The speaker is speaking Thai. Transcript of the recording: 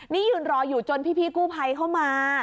นี่ยืนรออยู่จนพี่กู้ภัยเข้ามา